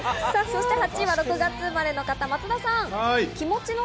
８位は６月生まれの方、松田さん。